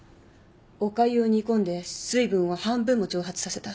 おかゆを煮込んで水分を半分も蒸発させた。